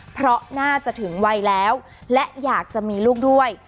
เพราะน่าจะถึงวัยแล้วและอยากจะมีลูกด้วย